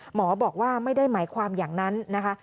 หมอบอกว่าไม่ได้หมายความอย่างนั้นนะคะ